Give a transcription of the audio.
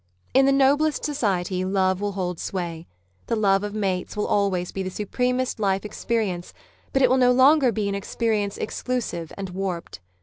In the noblest society love will hold sway. The love of mates will always be the supremcst life experi ence, but it will no longer be an experience exclusive and warped.